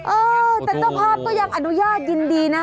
เออแต่เจ้าภาพก็ยังอนุญาตยินดีนะ